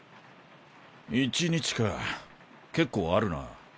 １日か結構あるな。